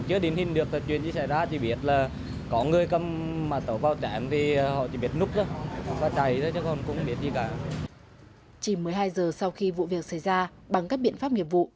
chỉ một mươi hai giờ sau khi vụ việc xảy ra bằng các biện pháp nghiệp vụ